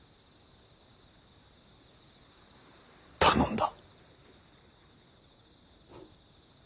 頼んだ。